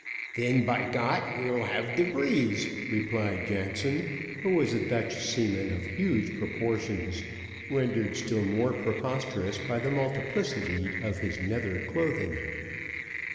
"Then, by Got, we will have de breeze," replied Jansen, who was a Dutch seaman of huge proportions, rendered still more preposterous by the multiplicity of his nether clothing.